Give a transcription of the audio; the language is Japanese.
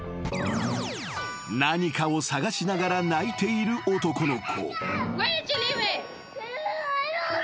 ［何かを捜しながら泣いている男の子］